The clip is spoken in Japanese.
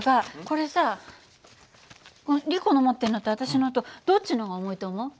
これさリコの持ってるのと私のとどっちの方が重いと思う？